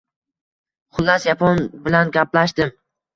Xullas, yapon bilan gaplashdim.